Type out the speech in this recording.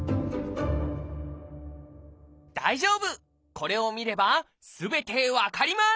これを見ればすべて分かります！